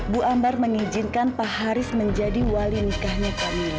bu ambar mengizinkan pak haris menjadi wali nikahnya kami